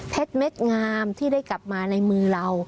เม็ดงามที่ได้กลับมาในมือเรา